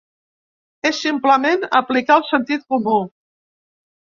És, simplement, aplicar el sentit comú.